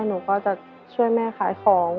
หนูก็จะช่วยแม่ขายของ